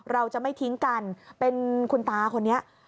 เราจะไม่ทิ้งกันเป็นคุณตาคนนี้